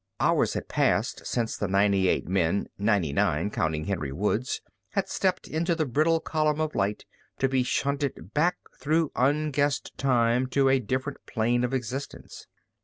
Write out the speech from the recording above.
Hours had passed since the ninety eight men ninety nine, counting Henry Woods had stepped into the brittle column of light to be shunted back through unguessed time to a different plane of existence.